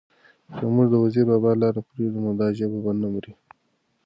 که موږ د وزیر بابا لاره پرېږدو؛ نو دا ژبه به نه مري،